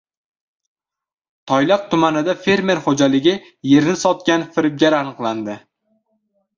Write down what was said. Toyloq tumanida fermer xo‘jaligi yerini sotgan firibgar aniqlandi